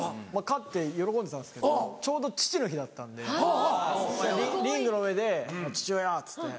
勝って喜んでたんですけどちょうど父の日だったんでリングの上で「父親！」っつって。